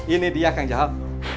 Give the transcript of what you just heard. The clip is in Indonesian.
ini dia kang jahal